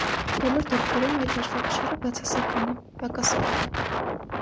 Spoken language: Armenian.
Բոլոր դեպքերում այդ հաշվեկշիռը բացասական է՝ պակասավոր։